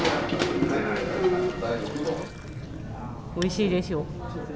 おいしいでしょう。